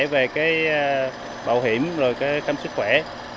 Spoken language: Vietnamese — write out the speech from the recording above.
về bảo hiểm và chăm sóc sức khỏe